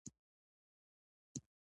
لومړۍ مولفه انساني کرامت دی.